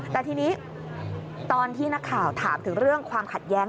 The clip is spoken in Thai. แต่ทีนี้ตอนที่นักข่าวถามถึงเรื่องความขัดแย้ง